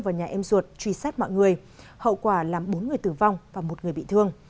vào nhà em ruột truy sát mọi người hậu quả làm bốn người tử vong và một người bị thương